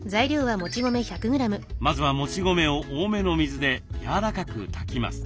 まずはもち米を多めの水でやわらかく炊きます。